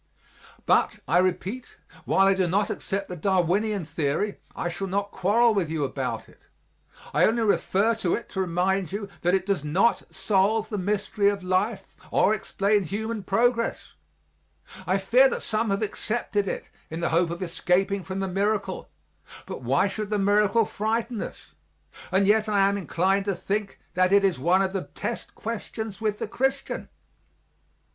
But, I repeat, while I do not accept the Darwinian theory I shall not quarrel with you about it; I only refer to it to remind you that it does not solve the mystery of life or explain human progress. I fear that some have accepted it in the hope of escaping from the miracle, but why should the miracle frighten us? And yet I am inclined to think that it is one of the test questions with the Christian.